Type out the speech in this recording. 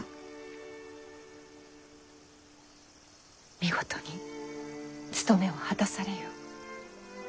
見事に務めを果たされよ。